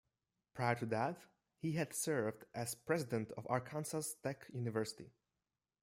Prior to that he had served as president of Arkansas Tech University.